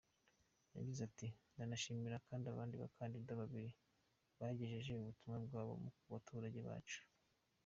Yagize ati “Ndanashimira kandi abandi bakandida babiri bagejeje ubutumwa bwabo ku baturage bacu.